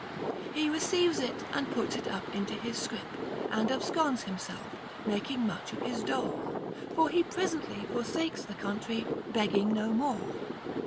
He re ceives it .and puts it up into his scrip, and absconds him self, making much of his dole ; for he presently forsakes the country, begging no more.